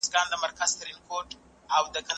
اماره پالوء نفس هر څه چې وغواړي هغه کول